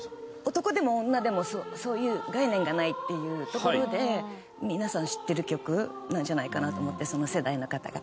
男でも女でもそういう概念がないっていうところで皆さん知ってる曲なんじゃないかなと思ってその世代の方が。